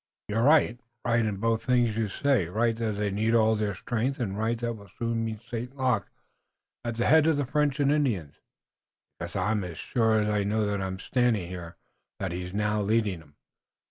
"You're right, Daganoweda, right in both things you say, right that they need all their strength, and right that we'll soon meet St. Luc, at the head of the French and Indians, because I'm as sure as I know that I'm standing here that he's now leading 'em.